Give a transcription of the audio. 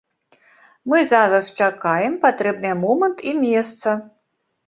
Мы зараз чакаем патрэбныя момант і месца.